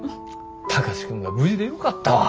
貴司君が無事でよかったわ。